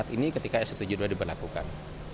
ini ketika s satu ratus tujuh puluh dua diberlakukan